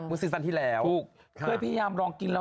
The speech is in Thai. ภูมิสิทธิ์สั้นที่แล้วค่ะไม่ถึงคนพูดสิทธิ์สั้นที่แล้ว